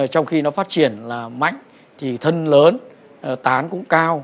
trong khi nó phát triển là mạnh thì thân lớn tán cũng cao